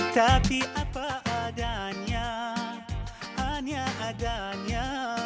tapi apa adanya hanya adanya